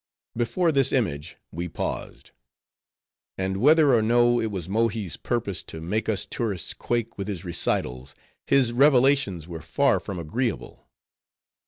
Before this image we paused. And whether or no it was Mohi's purpose to make us tourists quake with his recitals, his revelations were far from agreeable.